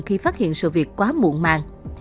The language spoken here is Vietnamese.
khi phát hiện sự việc quá muộn màng